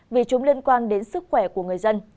vì chúng liên quan đến sức khỏe của người dân